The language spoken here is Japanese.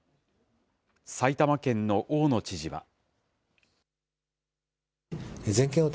埼玉県の大野知事は。